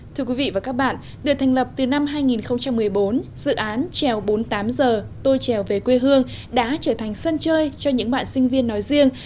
thưa quý vị và các bạn được thành lập từ năm hai nghìn một mươi bốn dự án treo bốn mươi tám giờ tôi trèo về quê hương đã trở thành sân chơi cho những bạn sinh viên nói riêng